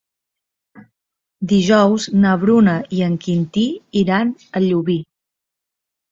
Dijous na Bruna i en Quintí iran a Llubí.